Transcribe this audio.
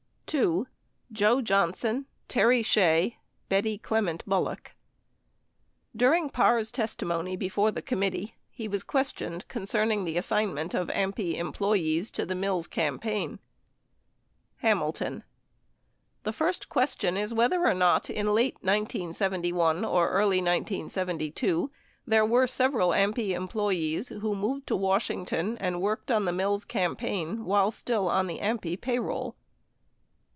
2. JOE JOHNSON, TERRY SHEA, BETTY CLEMENT BULLOCK During Parr's testimony before the committee, he was questioned concerning the assignment of AMPI employees to the Mills campaign : Hamilton. ... the first question is whether or not in late 1971 or early 1972 there were several AMPI employees who moved to Washington and worked in the Mills campaign while still on the AMPI payroll